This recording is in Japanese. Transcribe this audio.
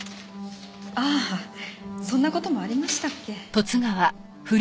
ああそんな事もありましたっけ。